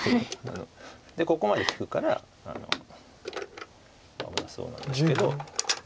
でここまで利くから危なそうなんですけど。